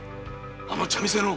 あの茶店の。